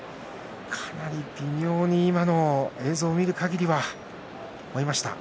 かなり微妙に映像を見るかぎりは思えました。